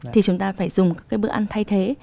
thì chúng ta phải dùng các cái bữa ăn thay thế